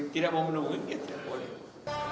tidak mau menunggu dia tidak boleh